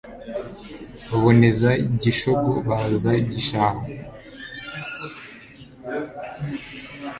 Baboneza Gishogo baza Gishahu